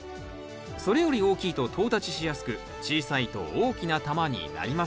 それより大きいととう立ちしやすく小さいと大きな球になりません。